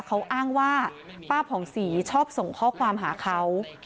เขาอ้างว่าป้าผ่องศรีชอบส่งข้อความหาเขา